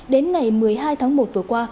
đến ngày một mươi hai tháng một vừa qua